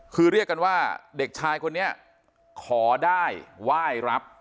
คือเรียกกันว่าเด็กชายคนนี้ขอได้ไหว้รับ